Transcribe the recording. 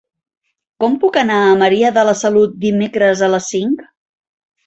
Com puc anar a Maria de la Salut dimecres a les cinc?